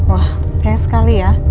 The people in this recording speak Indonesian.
wah sayang sekali ya